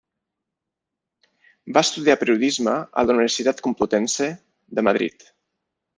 Va estudiar Periodisme a la Universitat Complutense de Madrid.